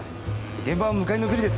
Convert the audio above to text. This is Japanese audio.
現場は向かいのビルですよ。